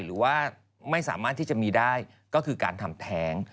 หรือว่าไม่สามารถที่จะมีได้ก็คือการทำแท้ง